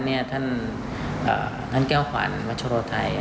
น้ำแก้วขวัญมาชรวฝไทย